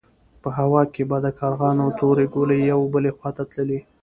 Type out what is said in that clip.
په هوا کې به د کارغانو تورې ګلې يوې بلې خوا ته تللې.